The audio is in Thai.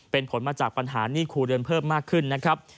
เป็นผลมาจากปัญหาหนี้ครัวเรือนเพิ่มมากขึ้นนะครับ